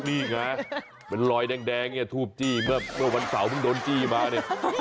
นี่ไงมันลอยแดงเนี่ยทูบจี้เมื่อวันเสาร์เพิ่งโดนจี้มาเนี่ย